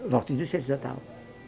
waktu itu saya sudah tahu